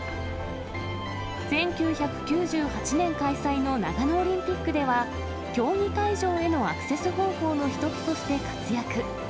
１９９８年開催の長野オリンピックでは、競技会場へのアクセス方法の一つとして活躍。